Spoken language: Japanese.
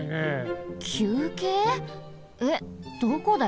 えっどこで？